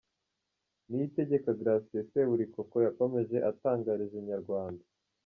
Niyitegeka Gratien Seburikoko yakomeje atangariza Inyarwanda.